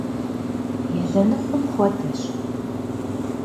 Елэныхъум хуэдэщ.